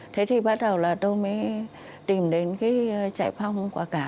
thế thì bắt đầu là tôi mới tìm đến cái chạy phong quả cám